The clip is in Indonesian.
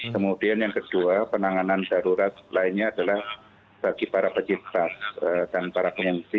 kemudian yang kedua penanganan darurat lainnya adalah bagi para pencipta dan para pengungsi